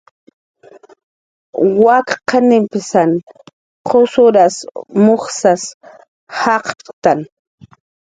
Wak qanimpsan qusuras mujsas jaqptktan